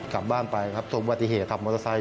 กลับบ้านไปครับสมบัติเหตุขับมอเตอร์ไซค